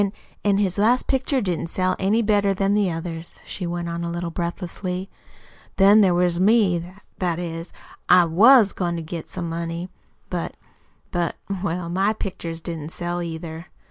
"An' an' his last pictures didn't sell any better than the others," she went on a little breathlessly. "Then there was me that is, I WAS goin' to get some money; but but, well MY pictures didn't sell, either."